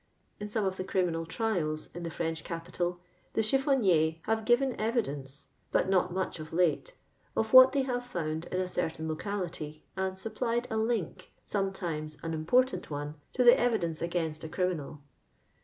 In some of tlie criminal trials in the French capital, the eliillbniiiers have given evi dence (but not much of late) of what iheT have found in a certain locality, and supplied a link, sometimes an important* one, to the e\i dence against a criminal.